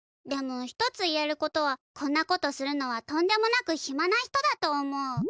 でも一つ言えることはこんなことするのはとんでもなくひまな人だと思う。